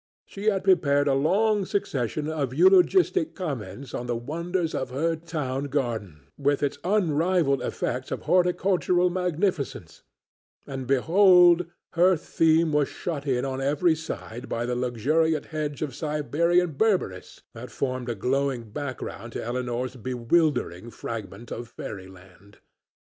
She had prepared a long succession of eulogistic comments on the wonders of her town garden, with its unrivalled effects of horticultural magnificence, and, behold, her theme was shut in on every side by the luxuriant hedge of Siberian berberis that formed a glowing background to Elinor's bewildering fragment of fairyland.